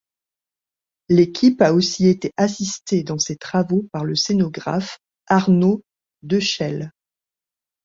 L'équipe a aussi été assistée dans ces travaux par le scénographe Arnaud Dechelle.